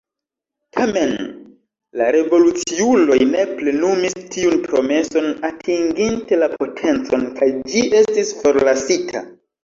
Tamen, la revoluciuloj ne plenumis tiun promeson atinginte la potencon kaj ĝi estis forlasita.